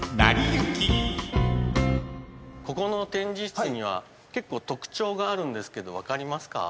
ここの展示室には結構特徴があるんですけど分かりますか？